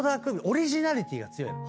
オリジナリティーが強いの。